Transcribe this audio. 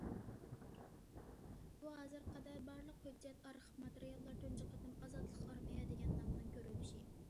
بۇ ھازىرغا قەدەر بارلىق ھۆججەت، ئارخىپ ماتېرىياللاردا تۇنجى قېتىم« ئازادلىق ئارمىيە» دېگەن نامنىڭ كۆرۈلۈشى.